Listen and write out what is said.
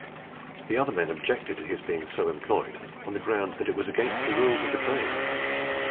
The other men objected to his being so employed on the ground that it was against the rules of the trade.